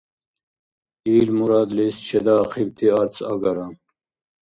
Ил мурадлис чедаахъибти арц агара.